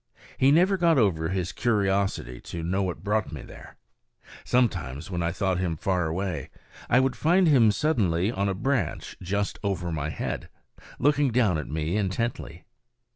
He never got over his curiosity to know what brought me there. Sometimes, when I thought him far away, I would find him suddenly on a branch just over my head, looking down at me intently.